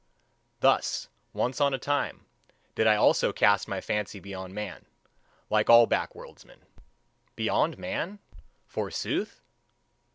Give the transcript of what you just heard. Thus, once on a time, did I also cast my fancy beyond man, like all backworldsmen. Beyond man, forsooth?